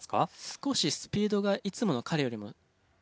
少しスピードがいつもの彼よりも出てなかった。